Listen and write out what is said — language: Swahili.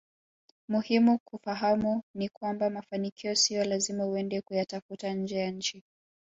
Muhimu kufahamu ni kwamba mafanikio sio lazima uende kuyatafuta nje ya nchi